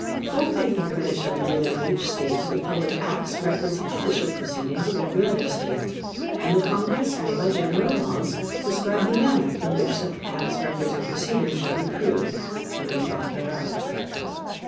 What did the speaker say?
Full Faith and Credit shall be given in each State to the public Acts, Records, and judicial Proceedings of every other State. And the Congress may by general Laws prescribe the Manner in which such Acts, Records, and Proceedings shall be proved, and the Effect thereof.